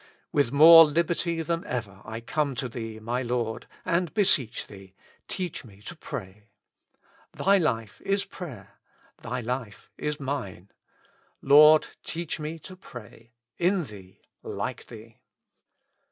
With more liberty than ever I come to Thee, my Lord, and beseech Thee : Teach me to pray. Thy life is prayer, Thy life is mine. Lord ! teach me to pray, in Thee, like Thee.